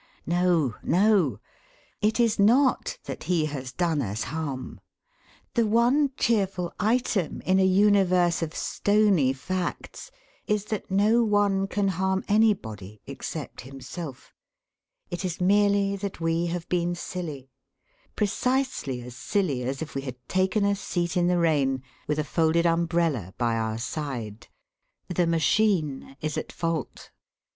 No, no! It is not that he has done us harm the one cheerful item in a universe of stony facts is that no one can harm anybody except himself it is merely that we have been silly, precisely as silly as if we had taken a seat in the rain with a folded umbrella by our side.... The machine is at fault.